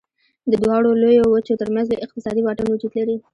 د دواړو لویو وچو تر منځ لوی اقتصادي واټن وجود لري.